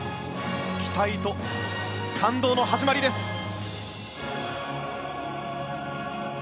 期待と感動の始まりです。